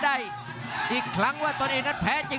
รับทราบบรรดาศักดิ์